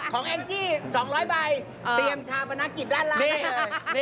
นี่ของแอ้งจี้๒๐๐ใบเตรียมชาวประนักกิจด้านล่างกันเลย